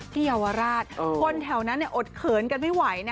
เยาวราชคนแถวนั้นอดเขินกันไม่ไหวนะ